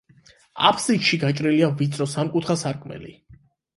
აფსიდში გაჭრილია ვიწრო სამკუთხა სარკმელი.